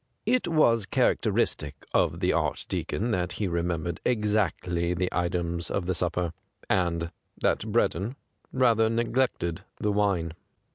It was character 170 THE GRAY CAT istic of the Archdeacon that he remembered exactly the items of the supper^ and that Breddon rather neglected the wine.